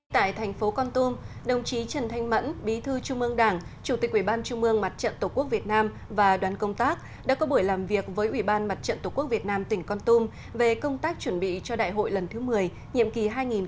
tại thành phố con tum đồng chí trần thanh mẫn bí thư trung mương đảng chủ tịch ubnd mặt trận tổ quốc việt nam và đoàn công tác đã có buổi làm việc với ubnd mặt trận tổ quốc việt nam tỉnh con tum về công tác chuẩn bị cho đại hội lần thứ một mươi nhiệm kỳ hai nghìn một mươi chín hai nghìn hai mươi bốn